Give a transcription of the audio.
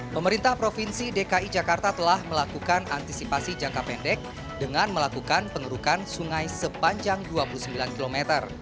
pemerintah provinsi dki jakarta telah melakukan antisipasi jangka pendek dengan melakukan pengerukan sungai sepanjang dua puluh sembilan km